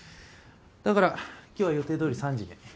だから今日は予定どおり３時で。